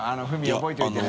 侫覚えておいてね